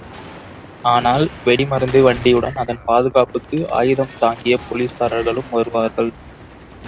ஆனால் வெடிமருந்து வண்டியுடன் அதன் பாதுகாப்புக்கு ஆயுதம் தாங்கிய போலிஸ்காரர்களும் வருவார்கள்.